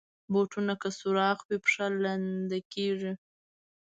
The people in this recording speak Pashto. بوټونه که سوراخ وي، پښه لنده کېږي.